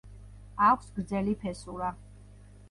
აქვს გრძელი ფესურა.